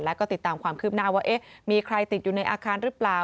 แล้วก็ติดตามความคืบหน้าว่ามีใครติดอยู่ในอาคารหรือเปล่า